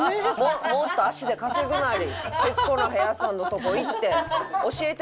もっと足で稼ぐなり『徹子の部屋』さんのとこ行って教えてもらうなり。